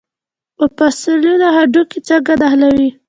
مفصلونه هډوکي څنګه نښلوي؟